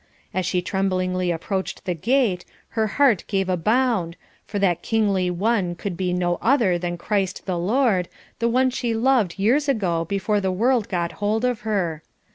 As she tremblingly approached the gate, her heart gave a bound, for that kingly One could be no other than Christ the Lord, the one she loved years ago before the world got hold of her.